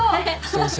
先生。